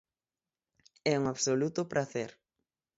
É un absoluto pracer.